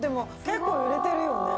結構震えてるよね